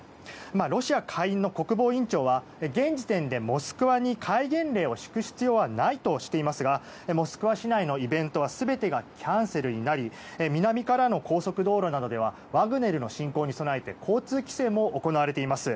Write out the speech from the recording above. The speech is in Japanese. ロシア下院の国防委員長は現時点でモスクワに戒厳令を敷く必要はないとしていますがモスクワ市内のイベントは全てがキャンセルになり南からの高速道路などではワグネルの侵攻に備えて交通規制も行われています。